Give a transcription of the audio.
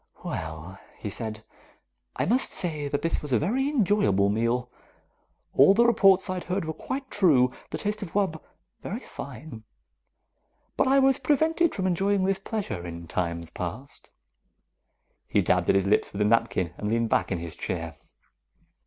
"Well," he said. "I must say that this was a very enjoyable meal. All the reports I had heard were quite true the taste of wub. Very fine. But I was prevented from enjoying this pleasure in times past." He dabbed at his lips with his napkin and leaned back in his chair.